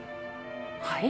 はい？